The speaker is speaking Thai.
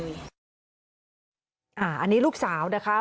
เอาอิ่มแล้วก็กอด